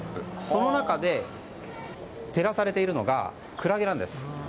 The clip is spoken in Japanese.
その中で、照らされているのがクラゲなんです。